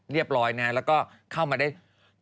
ไม่รู้สึกมึง